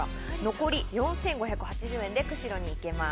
残り４５８０円で釧路に行けます。